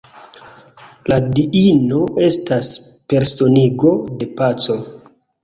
La diino estas personigo de paco.